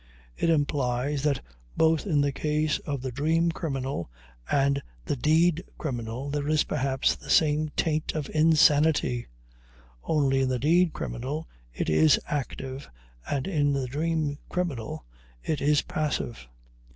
It implies that both in the case of the dream criminal and the deed criminal there is perhaps the same taint of insanity; only in the deed criminal it is active, and in the dream criminal it is passive.